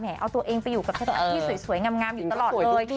เอาตัวเองไปอยู่กับสถานที่สวยงามอยู่ตลอดเลย